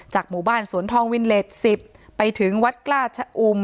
หมู่บ้านสวนทองวินเลส๑๐ไปถึงวัดกล้าชะอุ่ม